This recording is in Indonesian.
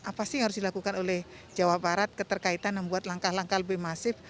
apa sih yang harus dilakukan oleh jawa barat keterkaitan membuat langkah langkah lebih masif